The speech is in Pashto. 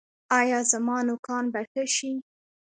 ایا زما نوکان به ښه شي؟